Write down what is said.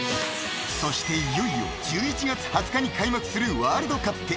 ［そしていよいよ１１月２０日に開幕するワールドカップ］